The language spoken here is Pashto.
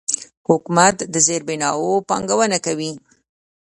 حکومت په زیربناوو پانګونه کوي.